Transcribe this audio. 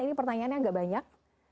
ini pertanyaannya agak banyak